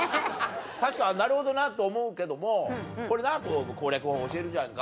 確かになるほどなと思うけどもこれな攻略法教えるじゃんか。